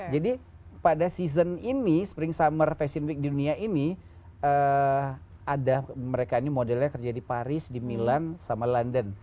jadi pada season ini spring summer fashion week di dunia ini ada mereka ini modelnya kerja di paris milan sama london